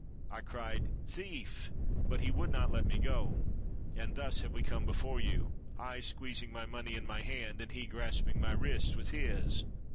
I cried 'Thief!' but he would not let me go; and thus have we come before you — I squeezing my money in my hand, and he grasping my wrist with his.